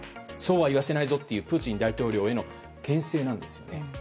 そうは言わせないぞというプーチン大統領への牽制なんですよね。